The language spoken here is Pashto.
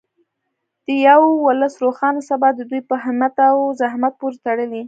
د یو ولس روښانه سبا د دوی په همت او زحمت پورې تړلې.